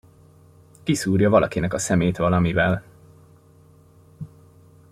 Kiszúrja valakinek a szemét valamivel.